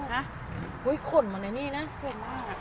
หึยขนมาในนี้นะช่วยมาก